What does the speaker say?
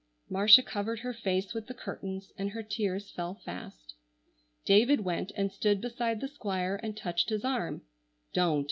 Marcia covered her face with the curtains and her tears fell fast. David went and stood beside the Squire and touched his arm. "Don't!"